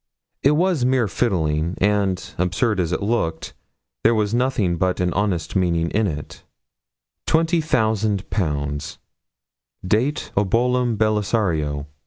It was mere fiddling; and, absurd as it looked, there was nothing but an honest meaning in it: '20,000_l_. Date Obolum Belisario!'